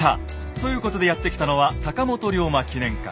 ということでやって来たのは坂本龍馬記念館。